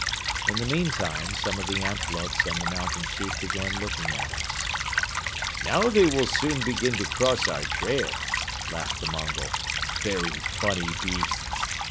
In the meantime some of the antelopes and the mountain sheep began looking at us. "Now they will soon begin to cross our trail," laughed the Mongol; "very funny beasts.